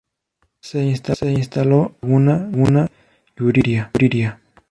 Se instaló en la laguna de Yuriria.